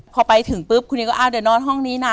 พอไปถึงปุ๊บคุณนิวก็อ้าวเดี๋ยวนอนห้องนี้นะ